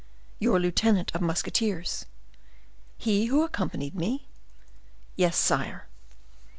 "Your lieutenant of musketeers." "He who accompanied me?" "Yes, sire."